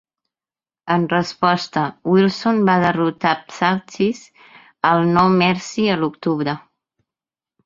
En resposta, Wilson va derrotar Psaltis al No Mercy a l'octubre.